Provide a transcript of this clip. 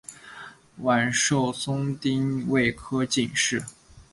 阮寿松丁未科进士。